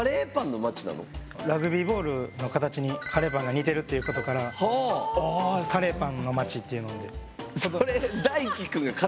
ラグビーボールの形にカレーパンが似てるっていうことからカレーパンのまちっていうので。